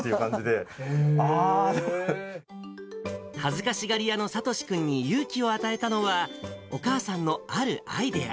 恥ずかしがり屋の聡志君に勇気を与えたのは、お母さんのあるアイデア。